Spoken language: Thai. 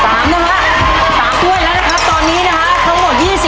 สามนะคะสามก้วยแล้วนะครับตอนนี้นะคะ